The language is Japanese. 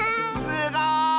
すごい！